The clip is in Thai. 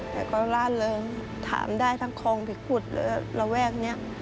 แต่ก็ร่าเริงถามได้ทั้งคลองผิดขุดและระแวกนี้